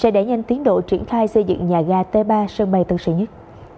sẽ đẩy nhanh tiến độ triển khai xây dựng nhà ga t ba sân bay tân sự nhất